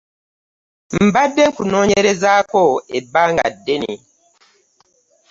Mbadde nkonenyerezzako ebbanga ddene .